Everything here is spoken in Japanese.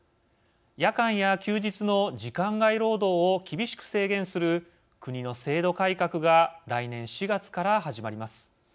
夜間や休日の時間外労働を厳しく制限する国の制度改革が来年４月から始まります。